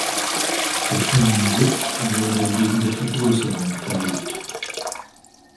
Der Firmensitz wurde wegen der Vergrößerung verlegt.